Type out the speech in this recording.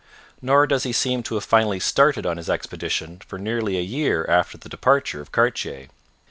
Nor does he seem to have finally started on his expedition for nearly a year after the departure of Cartier.